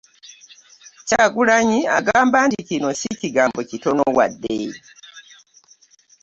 Kyagulanyi agamba nti kino si kigambo kitono wadde